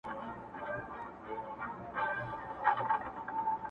کيسه تماشه نه حل ښيي ښکاره,